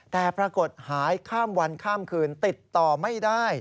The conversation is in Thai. แต่ปรากฏหายข้ามวันข้ามคืนติดต่อไม่ได้